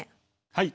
はい。